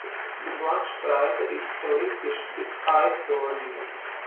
Die Blattspreite ist elliptisch bis eiförmige.